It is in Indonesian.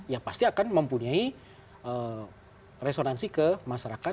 ya pasti akan mempunyai resonansi ke masyarakat